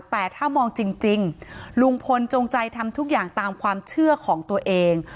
แต่ถ้ามองจริงลุงพลจงใจทำทุกอย่างตามความเชื่อของตัวเอง